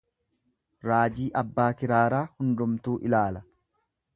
Raajii abbaa kiraaraa hundumtuu ilaala.